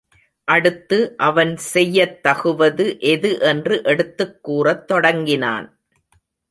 அடுத்து அவன் செய்யத் தகுவது எது என்று எடுத்துக் கூறத் தொடங்கினான்.